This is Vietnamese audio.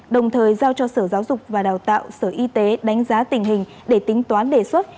đồng thời giao cho sở giáo dục và đào tạo sở y tế đánh giá tình hình để tính toán đề xuất